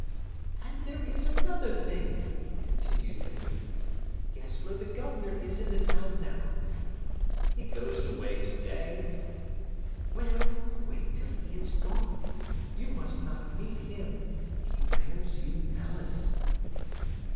"And there is another thing," continued Hedwig: "Gessler the Governor is in the town now." "He goes away to day." "Well, wait till he has gone. You must not meet him. He bears you malice."